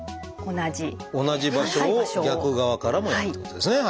同じ場所を逆側からもやるってことですね。